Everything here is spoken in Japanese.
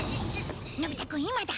のび太くん今だ！